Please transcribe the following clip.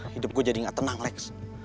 hidup gue jadi gak tenang lex